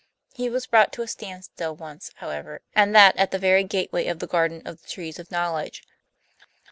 He was brought to a standstill once, however, and that at the very gateway of the garden of the trees of knowledge.